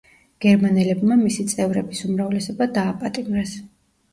გერმანელებმა მისი წევრების უმრავლესობა დააპატიმრეს.